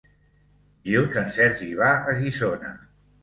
Dilluns en Sergi va a Guissona.